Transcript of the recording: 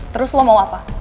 terus lo mau apa